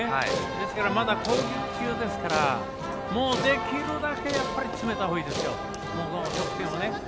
ですから、まだ攻撃中ですからできるだけ詰めたほうがいいですよ。